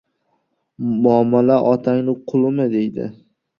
Muomala otangni qulimi, deydi.